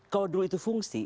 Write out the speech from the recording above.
kalau dulu itu fungsi